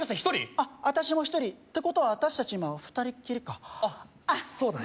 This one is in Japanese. あっ私も１人てことは私達今２人っきりかあっそうだね